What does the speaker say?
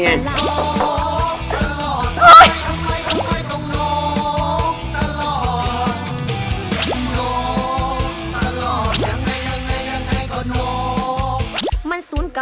ไม่ได้โน๊กตอด